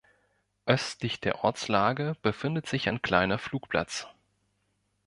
Östlich der Ortslage befindet sich ein kleiner Flugplatz.